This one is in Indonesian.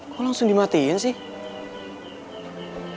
kok langsung dimatiin sih